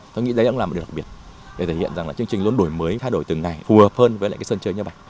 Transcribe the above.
tôi nghĩ đấy cũng là một điều đặc biệt để thể hiện rằng là chương trình luôn đổi mới thay đổi từng ngày phù hợp hơn với lại cái sân chơi như vậy